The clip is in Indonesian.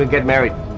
kami akan berkahwin